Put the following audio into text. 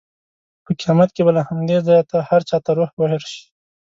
په قیامت کې به له همدې ځایه هر چا ته روح ورشي.